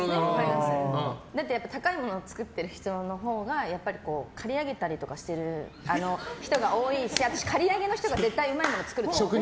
だって高いものを作ってる人のほうがやっぱり刈り上げたりとかしてる人が多いし私、刈り上げの人が絶対うまいものを作ると思ってる。